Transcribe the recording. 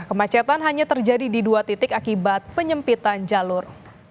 kemacetan hanya terjadi di dua titik akibat penyempitan jalur